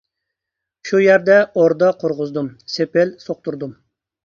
شۇ يەردە ئوردا قۇرغۇزدۇم، سېپىل سوقتۇردۇم.